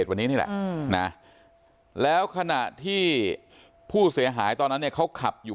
วันนี้นี่แหละนะแล้วขณะที่ผู้เสียหายตอนนั้นเนี่ยเขาขับอยู่